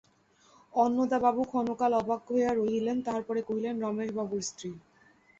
অন্নদাবাবু ক্ষণকাল অবাক হইয়া রহিলেন, তাহার পরে কহিলেন, রমেশবাবুর স্ত্রী!